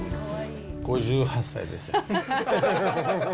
５８歳です。